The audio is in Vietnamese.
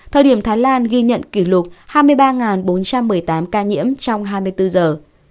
thời điểm thái lan ghi nhận kỷ lục hai mươi ba bốn trăm một mươi tám ca nhiễm trong hai mươi bốn giờ